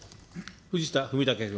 藤田文武君。